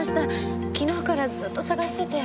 昨日からずっと捜してて。